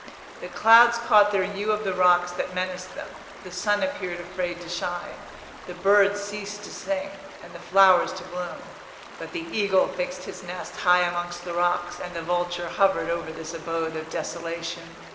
The clouds caught their hue of the rocks that menaced them. The sun appeared afraid to shine, the birds ceased to sing, and the flowers to bloom; but the eagle fixed his nest high amongst the rocks, and the vulture hovered over this abode of desolation.